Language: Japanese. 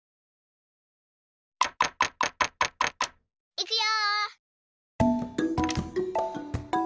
いくよ！